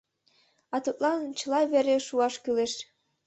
А тудлан чыла вере шуаш кӱлеш.